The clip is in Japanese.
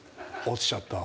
落ちちゃった。